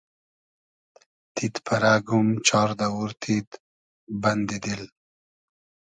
تید پئرئگوم چار دئوور تید, بئندی دیل